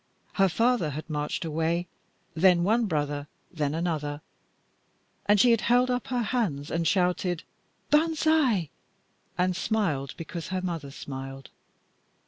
Her father had marched away, then one brother, then another, and she had held up her hands and shouted, "Banzai!" and smiled because her mother smiled.